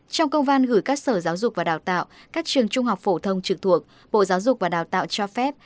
trong công văn gửi các sở giáo dục và đào tạo các trường trung học phổ thông trực thuộc bộ giáo dục và đào tạo cho phép